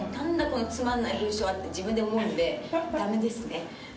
このつまんない文章はって自分で思うんで駄目ですね。